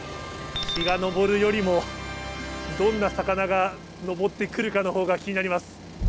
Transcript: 日が昇るよりも、どんな魚が上ってくるかのほうが気になります。